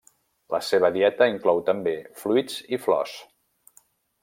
La seva dieta inclou també fruits i flors.